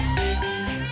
terima kasih bu